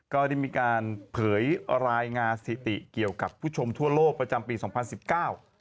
ก็ได้มีการเผยรายงานสถิติเกี่ยวกับผู้ชมทั่วโลกประจำปีสองพันสิบเก้า